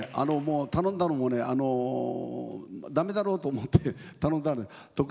頼んだのもねだめだろうと思って頼んだので得しました。